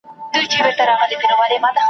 پر ما غټ دي د مُلا اوږده بوټونه ,